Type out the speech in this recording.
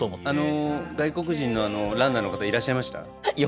あの外国人のあのランナーの方いらっしゃいました？